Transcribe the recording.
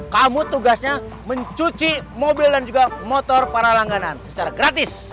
kamu tugasnya mencuci mobil dan juga motor para langganan secara gratis